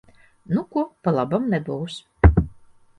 Nu ko, pa labam nebūs.